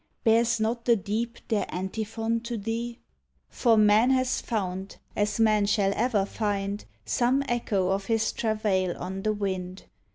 Bears not the deep their antiphon to thee*? For man has found, as man shall ever find, Some echo of his travail on the wind.